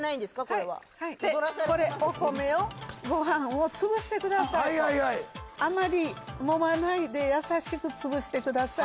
これはこれお米をご飯を潰してくださいあまり揉まないで優しく潰してください